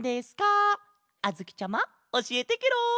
あづきちゃまおしえてケロ！